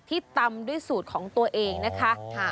ตำด้วยสูตรของตัวเองนะคะ